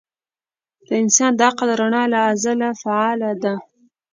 د انسان د عقل رڼا له ازله فعاله ده.